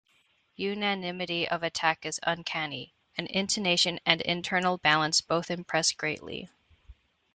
Unanimity of attack is uncanny, and intonation and internal balance both impress greatly.